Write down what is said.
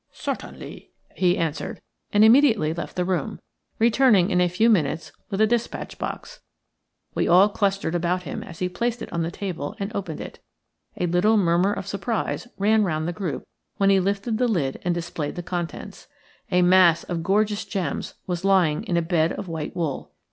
"Certainly," he answered, and immediately left the room, returning in a few minutes with a despatch box. We all clustered about him as he placed it on the table and opened it. A little murmur of surprise ran round the group when he lifted the lid and displayed the contents. A mass of gorgeous gems was lying in a bed of white wool.